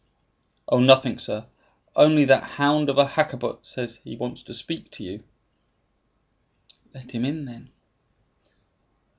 "Oh, nothing, sir; only that hound of a Hakkabut says he wants to speak to you." "Let him in, then."